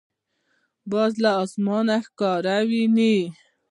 باز له اسمانه ښکار ویني.